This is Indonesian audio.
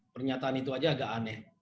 pernyataan itu aja agak aneh